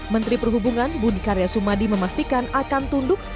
menteri perhubungan budi karya sumadi memastikan akan tunduk